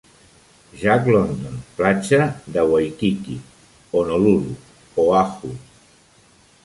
Jack London, platja de Waikiki, Honolulu, Oahu.